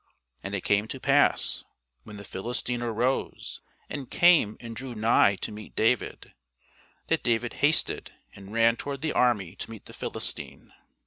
And it came to pass, when the Philistine arose, and came and drew nigh to meet David, that David hasted, and ran toward the army to meet the Philistine.